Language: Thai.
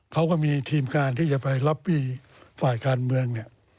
เขาก็มีทีมการที่จะไปรับปีฝ่ายการเมือง